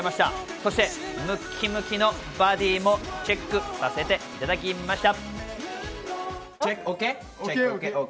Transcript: そして、ムッキムキのボディーもチェックさせていただきました。